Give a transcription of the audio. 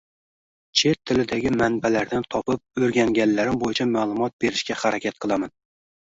Chet tilidagi manbalardan topib, o‘rganganlarim bo‘yicha ma’lumot berishga harakat qilaman.